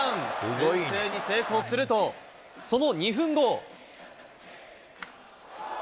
先制に成功すると、その２分後。